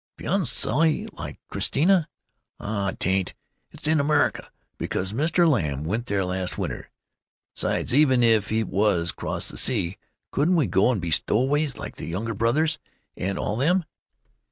" "Beyond the sea like Christiania? Ah, 'tain't! It's in America, because Mr. Lamb went there last winter. 'Sides, even if it was across the sea, couldn't we go an' be stow'ways, like the Younger Brothers and all them?